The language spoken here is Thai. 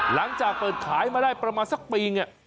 หลังจากเปิดขายมาได้ประมาณสักปีเนี่ย